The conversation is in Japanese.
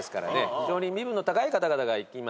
非常に身分の高い方々が行きます。